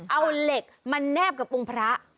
เอาเหล็กมาแนบกับองค์พระ